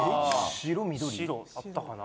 白あったかな